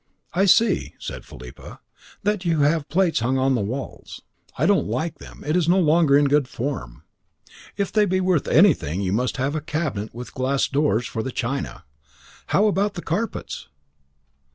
"I see," said Philippa, "that you have plates hung on the walls. I don't like them: it is no longer in good form. If they be worth anything you must have a cabinet with glass doors for the china. How about the carpets?"